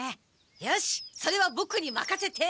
よしそれはボクにまかせて！